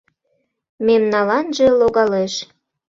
Мемналанже логалеш.